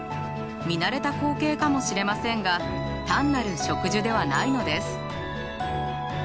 見慣れた光景かもしれませんが単なる植樹ではないのです。